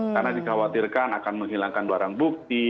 karena dikhawatirkan akan menghilangkan barang bukti